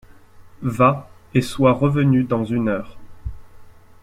Va, et sois revenu dans une heure.